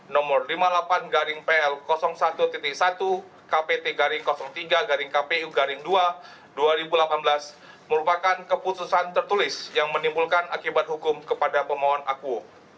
nomor lima puluh delapan garing pl satu satu kpt garing tiga kpu garing dua dua ribu delapan belas merupakan keputusan tertulis yang menimbulkan akibat hukum kepada pemohon akuo